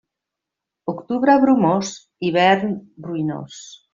Octubre bromós, hivern ruïnós.